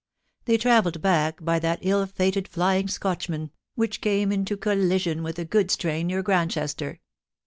They travelled back by that ill fated Flying Scotchman, which came into collision with a goods train near Grandchester.